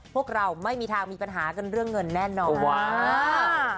พวกเราไม่มีทางมีปัญหากันเรื่องเงินแน่นอนว้าว